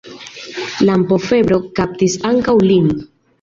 Lampofebro kaptis ankaŭ lin.